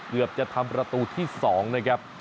เกือบจะทำประตูที่๒นะครับ